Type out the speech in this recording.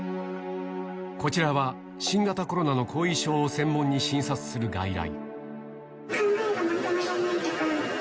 こちらは新型コロナの後遺症を専門に診察する外来。